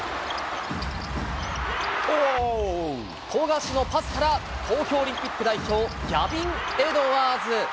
富樫のパスから、東京オリンピック代表、ギャビン・エドワーズ。